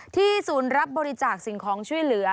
ศูนย์รับบริจาคสิ่งของช่วยเหลือ